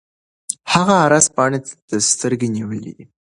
هغه عرض پاڼې ته سترګې نیولې دي.